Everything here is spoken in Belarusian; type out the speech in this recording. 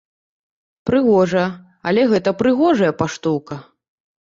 Прыгожа, але гэта прыгожая паштоўка.